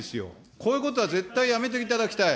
こういうことは絶対やめていただきたい。